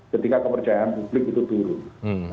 ketika kepercayaan publik itu turun